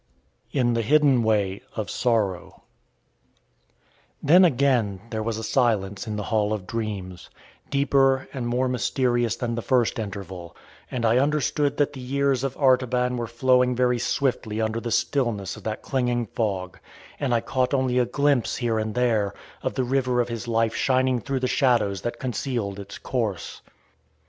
IN THE HIDDEN WAY OF SORROW Then again there was a silence in the Hall of Dreams, deeper and more mysterious than the first interval, and I understood that the years of Artaban were flowing very swiftly under the stillness of that clinging fog, and I caught only a glimpse, here and there, of the river of his life shining through the shadows that concealed its course.